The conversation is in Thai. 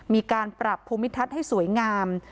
มีการปรับภูมิทัศน์ให้สวยงาม